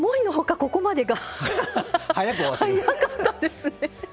ここまでが早かったですね。